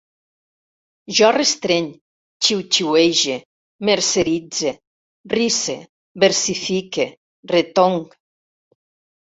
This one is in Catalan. Jo restreny, xiuxiuege, merceritze, risse, versifique, retonc